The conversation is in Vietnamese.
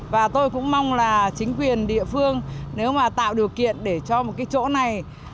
và tôi cũng mong là chính quyền địa phương nếu mà tạo điều kiện để cho một cái chỗ này